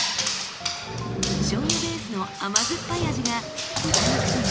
しょうゆベースの甘酸っぱい味が豚肉とも